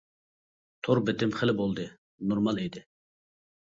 تور بىتىم خېلى بولدى نورمال ئىدى.